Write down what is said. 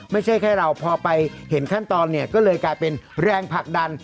ไม่ใช่แค่เราพอไปเห็นขั้นตอนเนี่ยก็เลยกลายเป็นแรงผลักดัน